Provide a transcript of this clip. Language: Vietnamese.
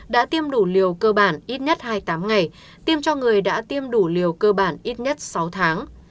đã tiêm đủ liều cơ bản ít nhất hai mươi tám ngày tiêm cho người đã tiêm đủ liều cơ bản ít nhất sáu tháng